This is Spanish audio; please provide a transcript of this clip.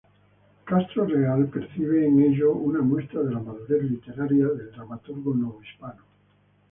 Castro Leal percibe en ello una muestra de la madurez literaria del dramaturgo novohispano.